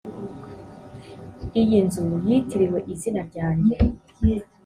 iyi nzu yitiriwe izina ryanjye